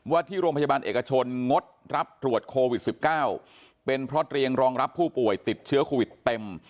ที่โรงพยาบาลเอกชนงดรับตรวจโควิด๑๙เป็นเพราะเตรียมรองรับผู้ป่วยติดเชื้อโควิดเต็ม